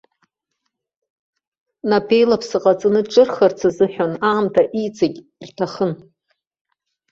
Напеилаԥса ҟаҵаны дҿырхырц азыҳәан, аамҭа иҵегь рҭахын.